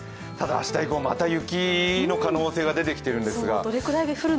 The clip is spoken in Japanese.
ただ、明日以降、また雪の可能性が出てきているんですが。